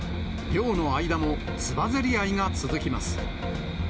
漁の間も、つばぜり合いが続きます。